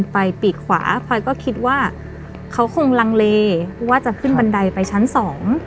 ปีกขวาพลอยก็คิดว่าเขาคงลังเลว่าจะขึ้นบันไดไปชั้นสอง